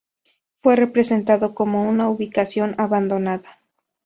Fue representado como una ubicación abandonada.